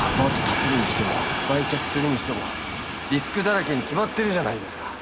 建てるにしても売却するにしてもリスクだらけに決まってるじゃないですか。